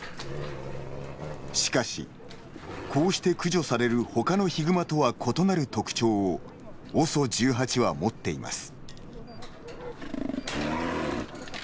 しかし、こうして駆除されるほかのヒグマとは異なる特徴をＯＳＯ１８は持っています。